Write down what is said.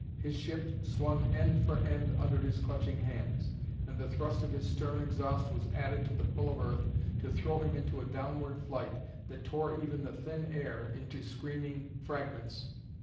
His ship swung end for end under his clutching hands, and the thrust of his stern exhaust was added to the pull of Earth to throw him into a downward flight that tore even the thin air into screaming fragments.